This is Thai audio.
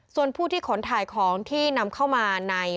ส่วนผู้ที่ขนถ่ายของที่นำเข้ามาใน